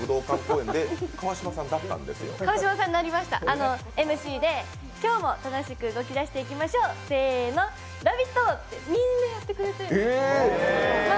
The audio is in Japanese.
川島さんになりました、ＭＣで今日も楽しく動き出していきましょう、せーの、「ラヴィット！」ってみんなやってくれて。